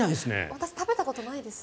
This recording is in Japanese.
私食べたことないです。